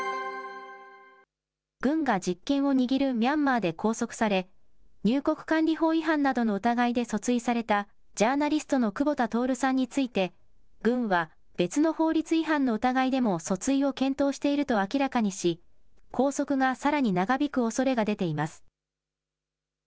軍が実権を握るミャンマーで拘束され、入国管理法違反などの疑いで訴追された、ジャーナリストの久保田徹さんについて、軍は別の法律違反の疑いでも訴追を検討していると明らかにし、拘束がさらに長引くおそれが出ています。